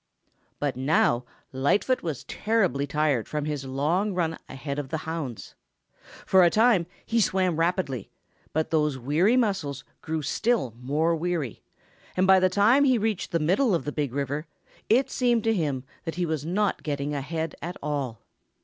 But now Lightfoot was terribly tired from his long run ahead of the hounds. For a time he swam rapidly, but those weary muscles grew still more weary, and by the time he reached the middle of the Big River it seemed to him that he was not getting ahead at all.